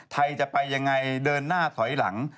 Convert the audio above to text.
ไทยจะไปยังไงเดินหน้าถอยหลัง